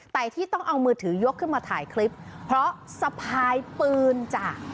แต่ที่ต้องเอามือถือยกขึ้นมาถ่ายคลิปเพราะสะพายปืนจ้ะ